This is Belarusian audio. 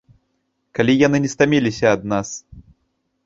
Калі яны не стаміліся ад нас!